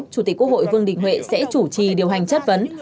chủ tịch quốc hội vương đình huệ sẽ chủ trì điều hành chất vấn